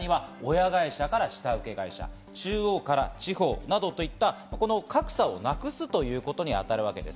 さらには親会社から下請け会社、中央から地方などといった格差をなくすということに当たるわけです。